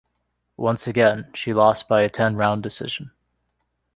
Once again, she lost by a ten-round decision.